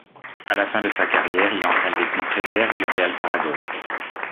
À la fin de sa carrière, il entraîne l'équipe réserve du Real Saragosse.